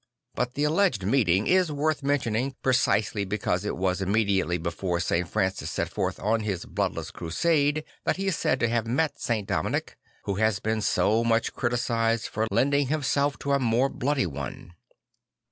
But the alleged meeting is worth mentioning, precisely because it was immediately before St. Francis set forth on his bloodless crusade that he is said to have met St. Dominic, who has been so much criticised for lending himself to a more bloody one.